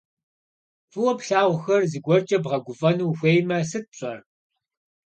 Фӏыуэ плъагъухэр зыгуэркӏэ бгъэгуфӏэну ухуеймэ, сыт пщӏэр?